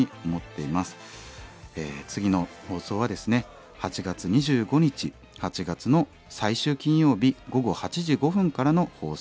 次の放送はですね８月２５日８月の最終金曜日午後８時５分からの放送です。